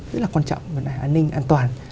rất là quan trọng vấn đề an ninh an toàn